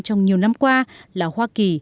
trong nhiều năm qua là hoa kỳ